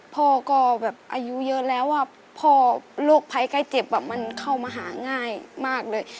พ่อก็แบบอายุเยอะแล้วพ่อโรคภัยไข้เจ็บมันเข้ามาหาง่ายมากเลย